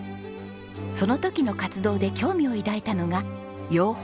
その時の活動で興味を抱いたのが養蜂でした。